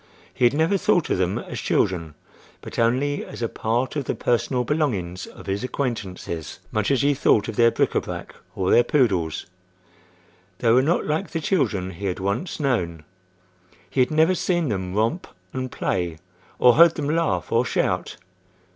He had never thought of them as children, but only as a part of the personal belongings of his acquaintances—much as he thought of their bric à brac or their poodles. They were not like the children he had once known. He had never seen them romp and play or heard them laugh or shout.